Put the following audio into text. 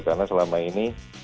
karena selama ini